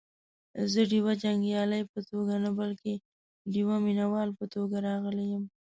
زه دیوه جنګیالي په توګه نه بلکې دیوه مینه وال په توګه راغلی یم.